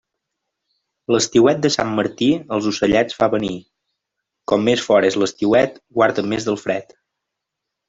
L'estiuet de Sant Martí els ocellets fa venir; com més fort és l'estiuet, guarda't més del fred.